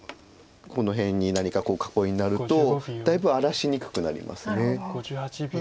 この辺に何か囲いになるとだいぶ荒らしにくくなります。